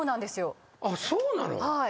あっそうなの。えっ！？